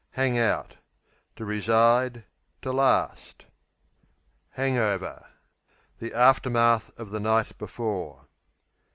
Hang out To reside; to last. Hang over The aftermath of the night before.